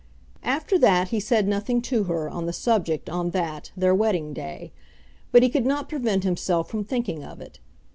After that he said nothing to her on the subject on that their wedding day, but he could not prevent himself from thinking of it.